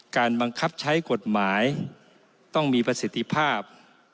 การบังคับใช้กฎหมายต้องมีประสิทธิภาพ